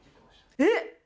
えっ！